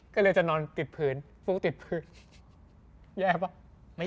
ก็เลยจะนอนติดพื้นปุ๊บติดพื้น